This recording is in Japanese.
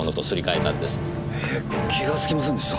えっ気がつきませんでした。